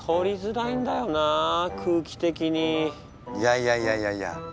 いやいやいやいや！